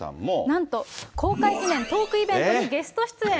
なんと、公開記念トークイベントにゲスト出演。